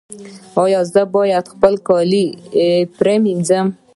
ایا زه باید خپل کالي بیل پریمنځم؟